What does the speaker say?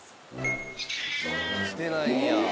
してないんや。